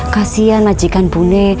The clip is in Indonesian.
kasian majikan bune